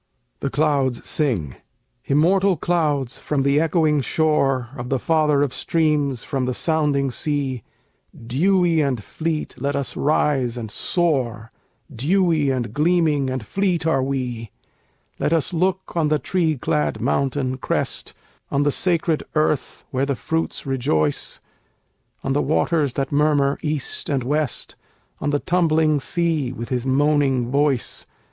THE CLOUDS SING Immortal Clouds from the echoing shore Of the father of streams from the sounding sea, Dewy and fleet, let us rise and soar; Dewy and gleaming and fleet are we! Let us look on the tree clad mountain crest, On the sacred earth where the fruits rejoice, On the waters that murmur east and west, On the tumbling sea with his moaning voice.